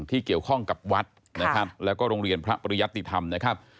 ที่เกี่ยวข้องกับวัดนะครับแล้วก็โรงเรียนพระปริยัติธรรมนะครับ